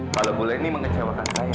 kalau bu lenny mengecewakan saya